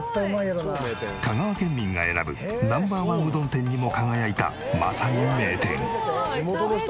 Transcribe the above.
香川県民が選ぶＮｏ．１うどん店にも輝いたまさに名店。